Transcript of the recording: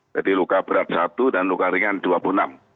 jadi luka berat satu dan luka ringan dua puluh enam